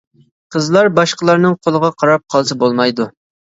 قىزلار باشقىلارنىڭ قولىغا قاراپ قالسا بولمايدۇ.